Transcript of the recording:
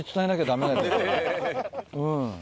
うん。